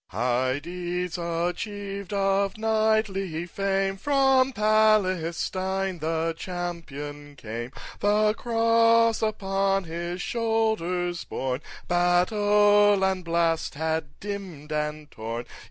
1. High deeds achieved of knightly fame, From Palestine the champion came; The cross upon his shoulders borne, Battle and blast had dimm'd and torn.